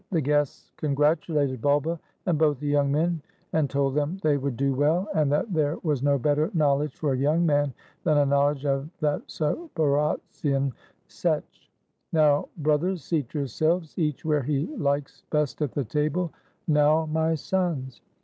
The guests congratulated Bulba, and both the young men, and told them they would do well, and 56 LIFE AT THE SETCH that there was no better knowledge for a young man than a knowledge of that Zaporozhian Setch. "Now, brothers, seat yourselves, each where he likes best at the table; now, my sons.